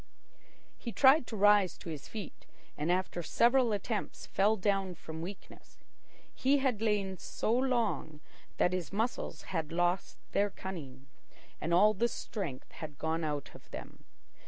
He tried to rise to his feet, and after several attempts fell down from weakness. He had lain so long that his muscles had lost their cunning, and all the strength had gone out of them.